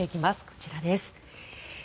こちらです。